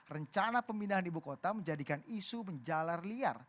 rencana pemindahan ibu kota menjadikan isu menjalar liar